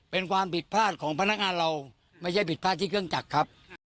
เป็นความผิดพลาดของพนักงานเราไม่ใช่ผิดพลาดที่เครื่องจักรครับ